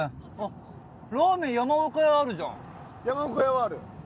山岡家はある。